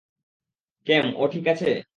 ক্যাম, ও ঠিক আছে?